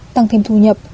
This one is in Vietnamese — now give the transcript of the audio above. tăng thêm thu nhập